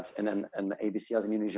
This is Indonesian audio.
dan abc sebagai perusahaan indonesia